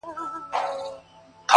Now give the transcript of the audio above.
څاڅکي څاڅکي څڅېدلې له انګوره,